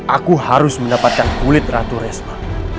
aku harus mendapatkan kulit ratu resma